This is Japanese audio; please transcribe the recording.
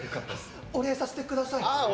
お礼させてください。